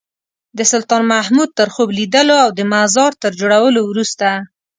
د سلطان محمود تر خوب لیدلو او د مزار تر جوړولو وروسته.